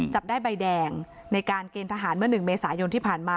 จับได้ใบแดงในการเกณฑ์ทหารเมื่อ๑เมษายนที่ผ่านมา